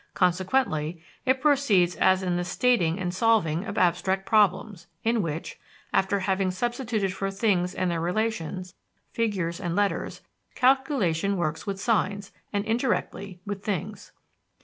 Consequently, it proceeds as in the stating and solving of abstract problems in which, after having substituted for things and their relations figures and letters, calculation works with signs, and indirectly with things.